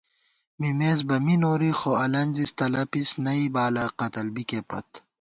مِمېس بہ می نوری خو الَنزِس تلَپِس نئ بالہ قتل بِکےپت